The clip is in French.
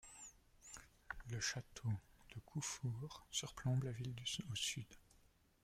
Le château de Couffour surplombe la ville au sud.